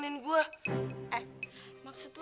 nih lihat tuh